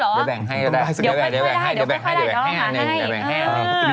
เดี๋ยวแบ่งให้แล้วเรามาให้